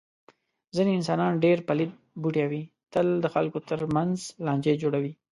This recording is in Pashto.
ځنې انسانان ډېر پلیت بوټی وي. تل د خلکو تر منځ لانجې جوړوي.